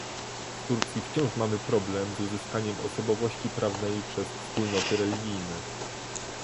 W Turcji wciąż mamy problem z uzyskaniem osobowości prawnej przez wspólnoty religijne